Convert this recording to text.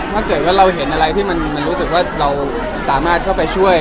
ถ้าเกิดว่าเราเห็นอะไรที่มันรู้สึกว่าเราสามารถเข้าไปช่วย